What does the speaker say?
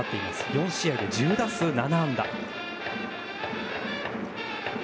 ４試合で１０打数７安打。